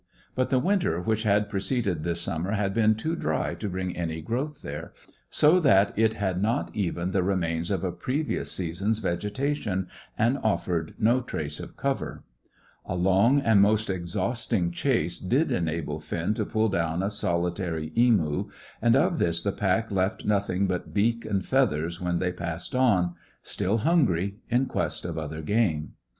But the winter which had preceded this summer had been too dry to bring any growth here, so that it had not even the remains of a previous season's vegetation, and offered no trace of cover. A long and most exhausting chase did enable Finn to pull down a solitary emu, and of this the pack left nothing but beak and feathers when they passed on, still hungry, in quest of other game.